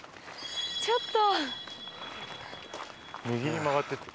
ちょっと！